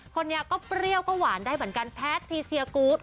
คนนี้ก็เปรี้ยวก็หวานได้เหมือนกันแพททีเซียกูธ